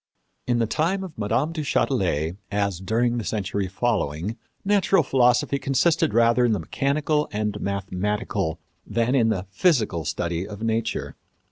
In the time of Mme. du Châtelet, as during the century following, natural philosophy consisted rather in the mechanical and mathematical than in the physical study of nature.